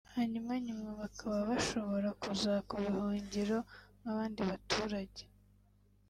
hanyuma nyuma bakaba bashobora kuzaka ubuhungiro nk’abandi baturage